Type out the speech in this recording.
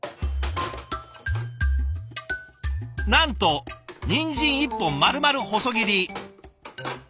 なんとにんじん１本まるまる細切り。